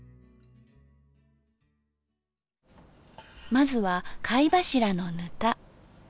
まずは貝柱のぬた。